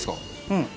うん。